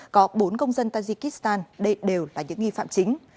có bốn công dân tajikistan đây đều là những nghi phạm chính